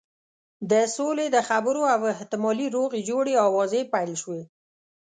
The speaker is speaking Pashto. د سولې د خبرو او احتمالي روغې جوړې آوازې پیل شوې.